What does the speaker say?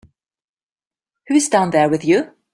Who's down there with you?